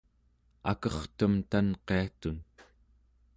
akertem tanqiatun